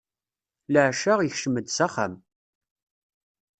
Leɛca, ikcem-d s axxam.